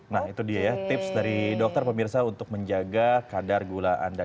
nah itu dia ya tips dari dokter pemirsa untuk menjaga kadar gula anda